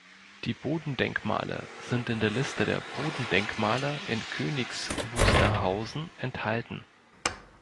Die Bodendenkmale sind in der Liste der Bodendenkmale in Königs Wusterhausen enthalten.